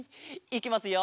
いきますよ。